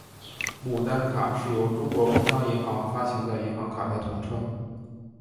牡丹卡是由中国工商银行发行的银行卡的统称。